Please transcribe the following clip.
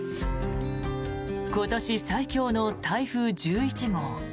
今年最強の台風１１号。